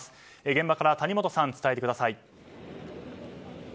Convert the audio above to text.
現場から谷元さん伝えてください。